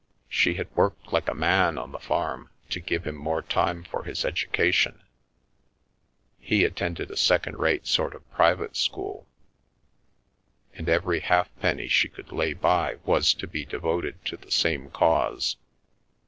She had worked like a man on the farm to give him more time for his educa tion — he attended a second rate sort of private school — and every halfpenny she could lay by was to de devoted to the same cause.